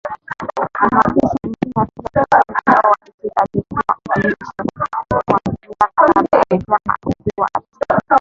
maafisa nchini afrika kusini ambako alistede alikuwa uhamishoni kwa miaka saba wanasema kuwa alistide